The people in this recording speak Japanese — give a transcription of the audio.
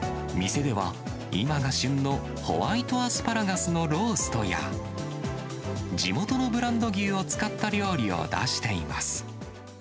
店では、今が旬のホワイトアスパラガスのローストや、地元のブランド牛を使った料理を出しています。